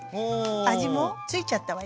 味も付いちゃったわよ。